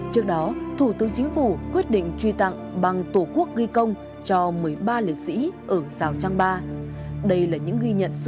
trước đó thủ tướng chính phủ quyết định truy tặng bằng tổ quốc ghi công cho một mươi ba liệt sĩ ở giáo trang ba